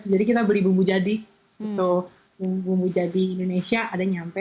jadi kita beli bumbu jadi gitu bumbu jadi indonesia ada nyampe